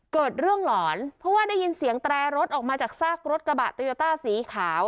เกิดเรื่องหลอนเพราะว่าได้ยินเสียงแตรรถออกมาจากซากรถกระบะโตโยต้าสีขาว